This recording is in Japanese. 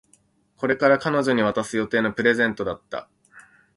これから彼女に渡す予定のプレゼントだった